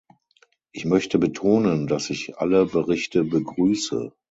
Ich möchte betonen, dass ich alle Berichte begrüße.